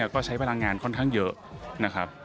ก็ใช้พลังงานค่อนข้างเยอะนะครับ